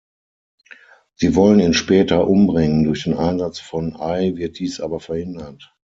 Sie wollen ihn später umbringen, durch den Einsatz von Ai wird dies aber verhindert.